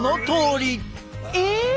え！